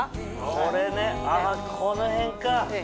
これねこの辺か。